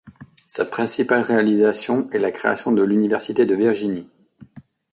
Sa principale réalisation est la création de l'université de Virginie.